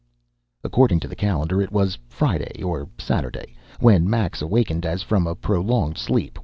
According to the calendar, it was Friday or Saturday, when Max awakened as from a prolonged sleep.